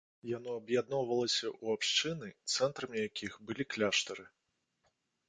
Яно аб'ядноўвалася ў абшчыны, цэнтрамі якіх былі кляштары.